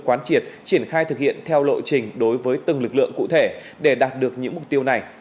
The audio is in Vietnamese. quán triệt triển khai thực hiện theo lộ trình đối với từng lực lượng cụ thể để đạt được những mục tiêu này